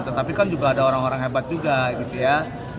tetapi kan juga ada orang orang hebat juga gitu ya